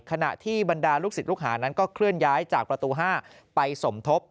ขณะที่บรรดาลูกศิษย์ลูกหานั้นก็เคลื่อนย้ายจากประตู๕ไปสมทบ